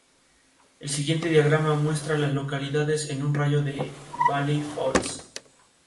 El siguiente diagrama muestra a las localidades en un radio de de Valley Falls.